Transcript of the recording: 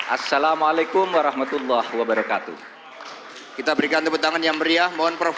assalamu'alaikum warahmatullahi wabarakatuh